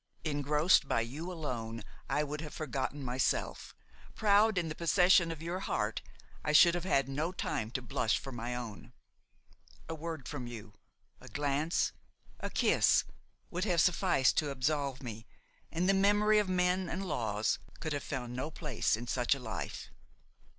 Engrossed by you alone, I would have forgotten myself; proud in the possession of your heart, I should have had no time to blush for my own. A word from you, a glance, a kiss would have sufficed to absolve me, and the memory of men and laws could have found no place in such a life.